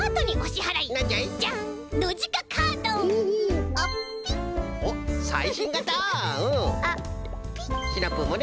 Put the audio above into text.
はい！